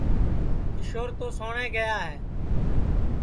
کیشور تو سوٹؔے گیا ہے